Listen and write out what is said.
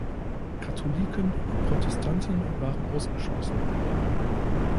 Katholiken und Protestanten waren ausgeschlossen.